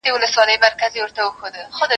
زه به سبا د سبا لپاره د يادښتونه ترتيب کړم،